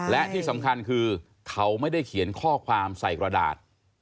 และที่สำคัญคือเขาไม่ได้เขียนข้อความใส่กระดาษ